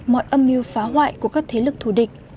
mọi âm mưu phá hoại của các thế lực thù địch